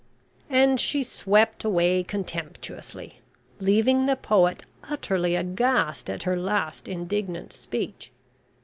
And she swept away contemptuously, leaving the poet utterly aghast at her last indignant speech.